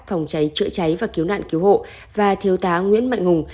phòng cháy chữa cháy và cứu nạn cứu hộ và thiếu tá nguyễn mạnh hùng